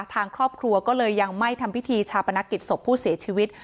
ทางครอบครัวก็เลยยังไม่ทำพิธีชาปนกิจศพผู้เสียชีวิต